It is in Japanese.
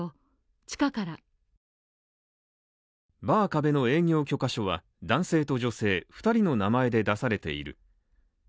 バー「壁」の営業許可書は男性と女性２人の名前で出されている。